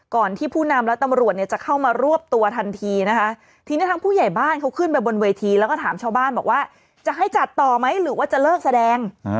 ที่ผู้นำและตำรวจเนี่ยจะเข้ามารวบตัวทันทีนะคะทีนี้ทางผู้ใหญ่บ้านเขาขึ้นไปบนเวทีแล้วก็ถามชาวบ้านบอกว่าจะให้จัดต่อไหมหรือว่าจะเลิกแสดง